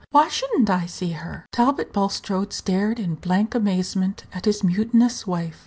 Why should n't I see her?" Talbot Bulstrode stared in blank amazement at his mutinous wife.